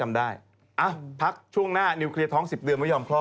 พักช่วงหน้านิวเคลียร์ท้อง๑๐เดือนไม่ยอมคลอด